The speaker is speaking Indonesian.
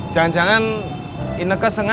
jangan jangan ineke sengaja